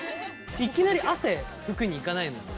いきなり汗ふくに行かないのよ俺。